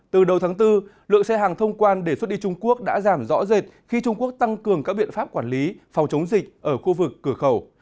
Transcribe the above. từ đầu tháng bốn lượng xe hàng thông quan để xuất đi trung quốc đã giảm rõ rệt khi trung quốc tăng cường các biện pháp quản lý phòng chống dịch ở khu vực cửa khẩu